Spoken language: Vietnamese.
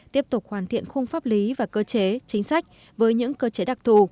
tiếp tục hoàn thiện khung pháp lý và cơ chế chính sách với những cơ chế đặc thù